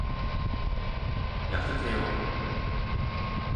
약속해요?